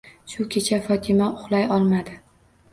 Shu kecha Fotima, uxlay olmadi.